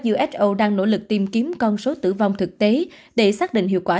uso đang nỗ lực tìm kiếm con số tử vong thực tế để xác định hiệu quả